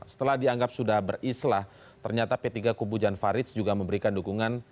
setelah dianggap sudah berislah ternyata p tiga kubu jan farid juga memberikan dukungan